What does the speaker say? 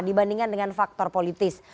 dibandingkan dengan faktor politis